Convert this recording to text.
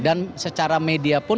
dan secara media pun